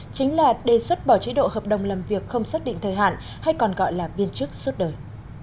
chính là đề xuất bỏ chế độ hợp đồng làm việc không xác định thời hạn hay còn gọi là viên chức suốt đời